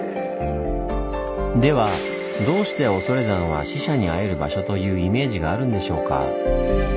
ではどうして恐山は死者に会える場所というイメージがあるんでしょうか？